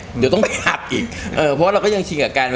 เดี๋ยวต้องไปขับอีกเพราะเขายังชินกับ